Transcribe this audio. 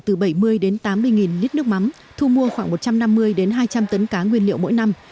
từ bảy mươi tám mươi lít nước mắm thu mua khoảng một trăm năm mươi hai trăm linh tấn cá nguyên liệu mỗi năm